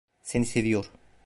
Seni seviyor.